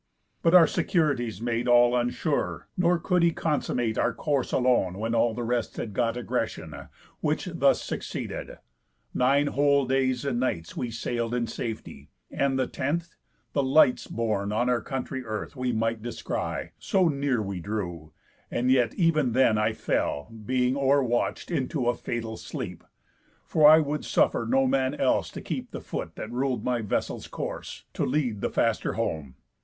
But our securities made all unsure; Nor could he consummate our course alone, When all the rest had got egressión; Which thus succeeded: Nine whole days and nights We sail'd in safety; and the tenth, the lights Borne on our country earth we might descry, So near we drew; and yet ev'n then fell I, Being overwatch'd, into a fatal sleep, For I would suffer no man else to keep The foot that rul'd my vessel's course, to lead The faster home.